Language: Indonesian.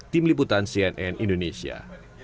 tim liputan cnn indonesia